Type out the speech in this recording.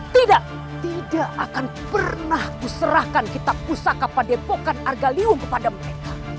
tidak tidak akan pernah kuserahkan kita pusaka padepokan argaliung kepada mereka